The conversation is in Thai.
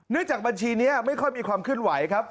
เนื่องจากบัญชีนี้ไม่ค่อยมีความขึ้นไหวครับ